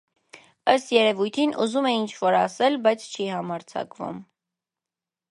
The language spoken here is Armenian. ըստ երևույթին, ուզում է ինչ-որ ասել, բայց չի համարձակվում: